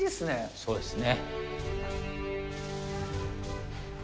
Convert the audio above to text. そうですね。